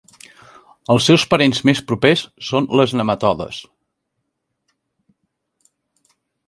Els seus parents més propers són les nematodes.